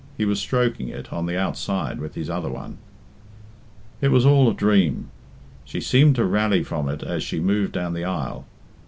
He was stroking it on the outside with his other one. It was all a dream. She seemed to rally from it as she moved down the aisle.